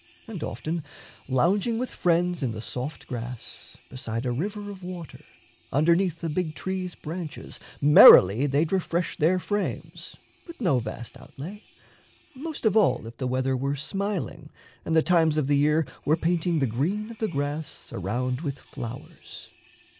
And often, lounging with friends in the soft grass Beside a river of water, underneath A big tree's branches, merrily they'd refresh Their frames, with no vast outlay most of all If the weather were smiling and the times of the year Were painting the green of the grass around with flowers.